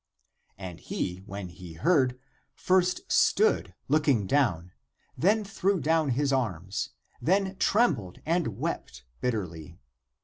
And he, when he heard, first stood, looking down ; then threw down his arms, then trembled and wept bitterly.